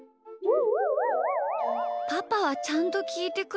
パパはちゃんときいてくれたな。